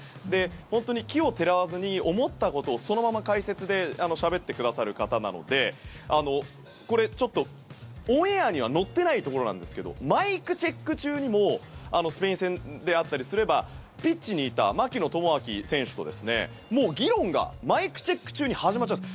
本当に奇をてらわずに思ったことをそのまま解説でしゃべってくださる方なのでこれ、ちょっとオンエアには乗ってないところなんですけどマイクチェック中にもスペイン戦であったりすればピッチにいた槙野智章選手ともう議論がマイクチェック中に始まっちゃうんです。